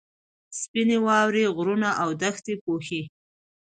سپینه واوره غرونه او دښتې پوښي.